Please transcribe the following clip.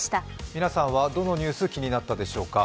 皆さんはどのニュース、気になったでしょうか。